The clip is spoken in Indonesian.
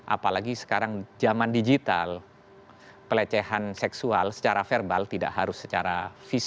apalagi sekarang zaman digital pelecehan seksual secara verbal tidak harus secara fisik